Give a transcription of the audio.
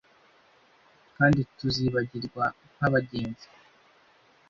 kandi tuzibagirwa nkabagenzi